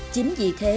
chính vì thế